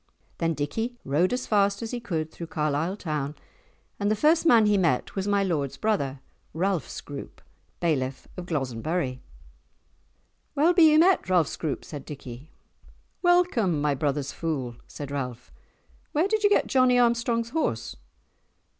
Then Dickie rode as fast as he could through Carlisle town, and the first man he met was my lord's brother, Ralph Scroope, Bailiff of Glozenburrie. "Well be ye met, Ralph Scroope!" said Dickie. "Welcome, my brother's fool!" said Ralph. "Where did ye get Johnie Armstrong's horse?"